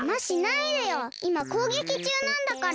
いまこうげきちゅうなんだから！